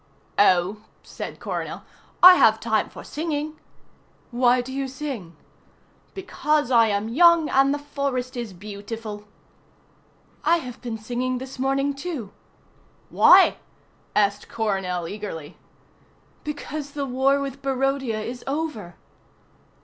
"Oh," said Coronel, "I have time for singing." "Why do you sing?" "Because I am young and the forest is beautiful." "I have been singing this morning, too." "Why?" asked Coronel eagerly. "Because the war with Barodia is over."